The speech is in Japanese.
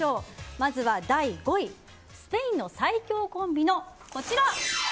まずは第５位スペインの最強コンビのこちら。